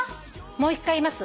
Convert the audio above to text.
もう一回言います。